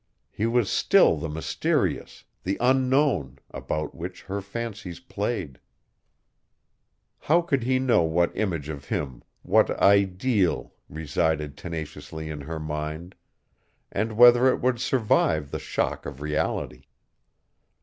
He was still the mysterious, the unknown, about which her fancies played. How could he know what image of him, what ideal, resided tenaciously in her mind, and whether it would survive the shock of reality?